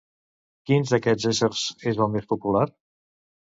Quin d'aquests éssers és el més popular?